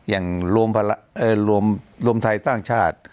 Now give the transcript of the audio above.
อย่างรวมไทยสร้างชาติ